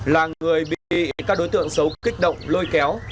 là người bị các đối tượng xấu kích động lôi kéo